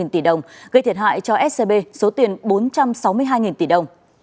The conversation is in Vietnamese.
một trăm một mươi năm tỷ đồng gây thiệt hại cho scb số tiền bốn trăm sáu mươi hai tỷ đồng